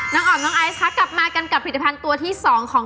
อ๋อมน้องไอซ์คะกลับมากันกับผลิตภัณฑ์ตัวที่๒ของ